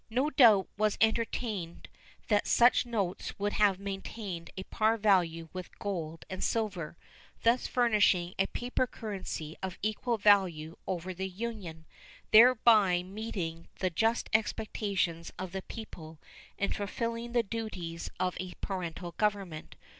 No doubt was entertained that such notes would have maintained a par value with gold and silver, thus furnishing a paper currency of equal value over the Union, thereby meeting the just expectations of the people and fulfilling the duties of a parental government.